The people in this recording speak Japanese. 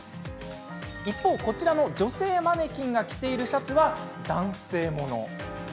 一方、こちらの女性マネキンが着ているシャツは男性物。